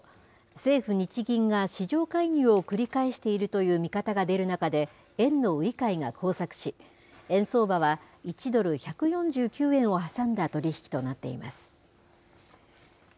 政府・日銀が市場介入を繰り返しているという見方が出る中で、円の売り買いが交錯し、円相場は１ドル１４９円を挟んだ取り引きとなっています。